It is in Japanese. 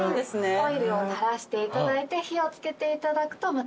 オイルを垂らしていただいて火を付けていただくとまたいい香りも。